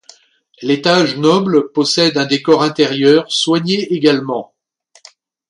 L'étage noble possède un décor intérieur soigné également.